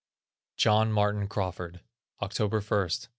JOHN MARTIN CRAWFORD. October 1, 1887.